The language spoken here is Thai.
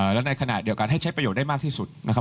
และในขณะเดียวกันให้ใช้ประโยชน์ได้มากที่สุดนะครับ